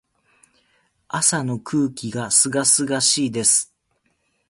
朝の空気が清々しいです。